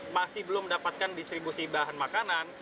masih belum mendapatkan distribusi bahan makanan